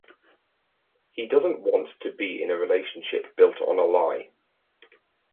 He doesn't want to be in a relationship built on a lie.